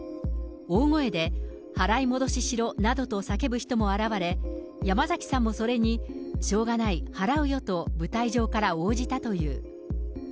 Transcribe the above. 大声で払い戻ししろなどと叫ぶ人も現れ、山崎さんもそれに、しょうがない、払うよと舞台上から応じたという。